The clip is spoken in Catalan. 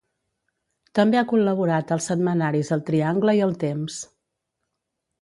També ha col·laborat als setmanaris El Triangle i El Temps.